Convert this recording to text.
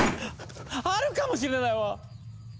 あるかもしれないわ！